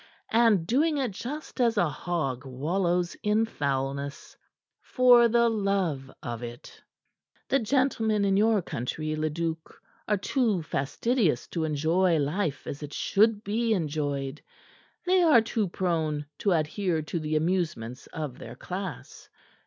And doing it just as a hog wallows in foulness for the love of it. "The gentlemen in your country, Leduc, are too fastidious to enjoy life as it should be enjoyed; they are too prone to adhere to the amusements of their class.